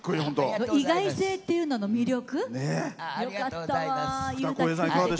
意外性っていうのが魅力。